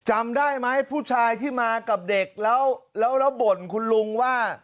จำได้ไหมผู้ชายที่มากับเด็กแล้วบ่นคุณลุงว่า